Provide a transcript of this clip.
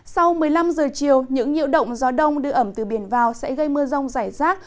sau một mươi năm giờ chiều những nhiễu động gió đông đưa ẩm từ biển vào sẽ gây mưa rông rải rác